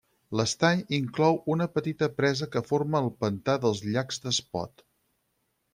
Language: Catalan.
L'estany inclou una petita presa que forma el pantà dels Llacs d'Espot.